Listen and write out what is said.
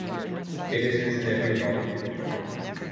It is his debut novel.